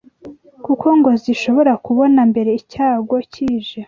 kuko ngo zishobora kubona mbere icyago kije